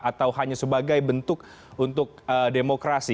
atau hanya sebagai bentuk untuk demokrasi